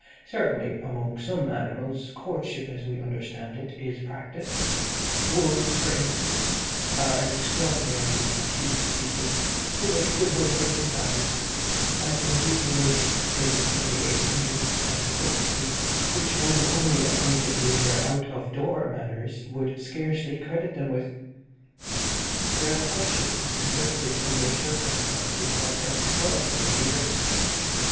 Certainly, among some animals courtship, as we understand it, is practised Wolves, for instance, are an extraordinarily acute people who make good husbands and fathers, and in these relations they display a tenderness and courtesy which one only acquainted with their out of door manners would scarcely credit them with. Their courtship is conducted under circumstances of extraordinary rigour.